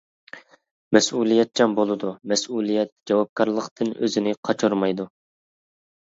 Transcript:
مەسئۇلىيەتچان بولىدۇ، مەسئۇلىيەت، جاۋابكارلىقتىن ئۆزىنى قاچۇرمايدۇ.